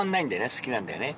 好きなんだよね